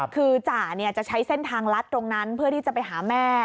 คือจ่าจะใช้เส้นทางลัดตรงนั้นเพื่อที่จะไปหาแม่